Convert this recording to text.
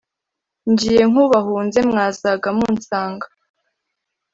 ngiye nk’ubahunze mwazaga munsanga